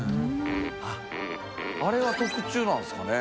あれは特注なんですかね？